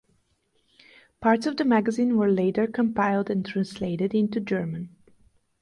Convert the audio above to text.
Parts of the magazine were later compiled and translated into German.